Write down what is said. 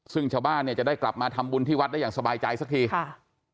ซึ่งชาวบ้านเนี่ยจะได้กลับมาทำบุญที่วัดได้อย่างสบายใจสักทีค่ะ